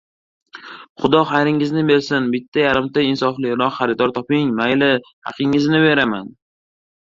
— Xudo xayringizni bersin, bitta-yarimta insofliroq xaridor toping. Mayli, haqingizni beraman.